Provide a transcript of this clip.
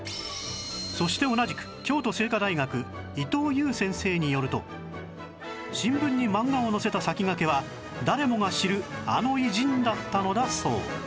そして同じく京都精華大学伊藤遊先生によると新聞に漫画を載せた先駆けは誰もが知るあの偉人だったのだそう